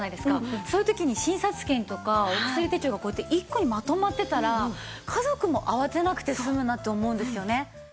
そういう時に診察券とかお薬手帳がこうやって１個にまとまってたら家族も慌てなくて済むなと思うんですよね。